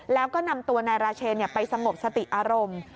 แล้วก็นำตัวนายราเชนไปสงบสติอารมณ์